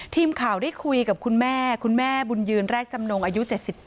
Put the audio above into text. ทีมข่าวได้คุยกับคุณแม่คุณแม่บุญยืนแรกจำนงอายุ๗๘